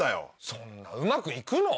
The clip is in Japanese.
そんなうまく行くの？